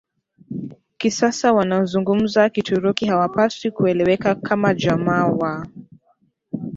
kisasa wanaozungumza Kituruki hawapaswi kueleweka kama jamaa wa